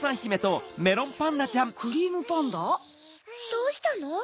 どうしたの？